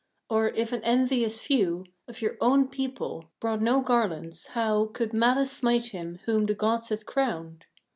Or, if an envious few Of your own people brought no garlands, how Could Malice smite him whom the gods had crowned?